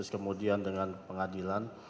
kemudian dengan pengadilan